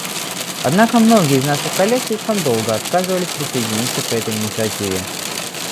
Однако многие из наших коллег слишком долго отказывались присоединиться к этой инициативе.